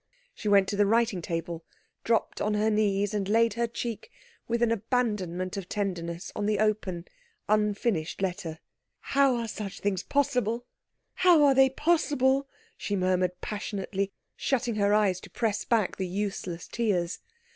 She went to the writing table, dropped on her knees, and laid her cheek, with an abandonment of tenderness, on the open, unfinished letter. "How are such things possible how are they possible " she murmured passionately, shutting her eyes to press back the useless tears.